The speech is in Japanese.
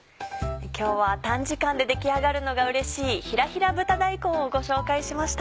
今日は短時間で出来上がるのがうれしい「ひらひら豚大根」をご紹介しました。